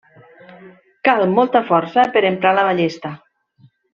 Cal molta força per emprar la ballesta.